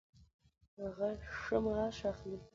هغه ښه معاش اخلي